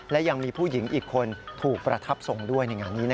และยังมีผู้หญิงอีกคนถูกประทับทรงด้วย